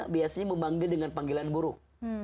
biasanya memanggil dengan panggilan buruh